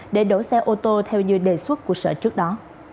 để đổi xe ô tô theo như đề xuất của sở trước đó